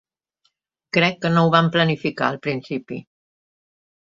Crec que no ho vam planificar al principi.